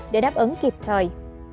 để đáp ứng kịp thời